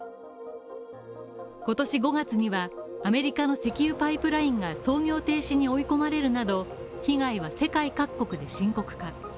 今年５月にはアメリカの石油パイプラインが操業停止に追い込まれるなど被害は世界各国で深刻化。